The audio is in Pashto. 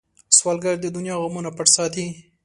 سوالګر د دنیا غمونه پټ ساتي